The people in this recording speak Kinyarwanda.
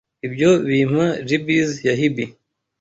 Ibyo bimpa jeebies ya heebie.